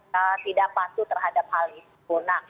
tidak patuh terhadap hal itu